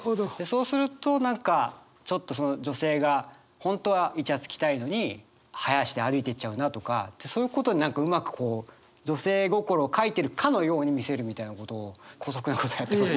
そうすると何かちょっとその女性が本当はいちゃつきたいのに早足で歩いていっちゃうなとかそういうことにうまくこう女性心を書いてるかのように見せるみたいなことをこそくなことをやってます。